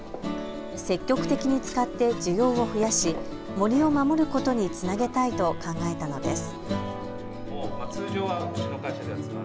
積極的に使って需要を増やし森を守ることにつなげたいと考えたのです。